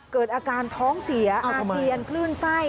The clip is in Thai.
เกิดอาการท้องเสียอาเจียนคลื่นไส้